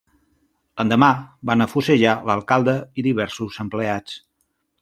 L'endemà van afusellar l'alcalde i diversos empleats.